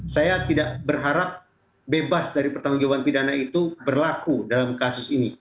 saya tidak berharap bebas dari pertanggung jawaban pidana itu berlaku dalam kasus ini